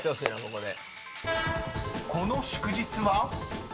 ［この祝日は？］